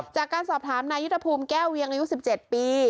จากการสอบถามนายุทธภูมิแก้วเวียงอายุ๑๗ปี